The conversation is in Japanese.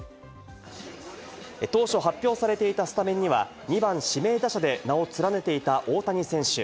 当初発表されていたスタメンには２番・指名打者で名を連ねていた大谷選手。